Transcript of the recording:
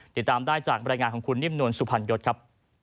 เดี๋ยวตามได้จากบริหารของคุณนิ่มนวลสุพันยศครับ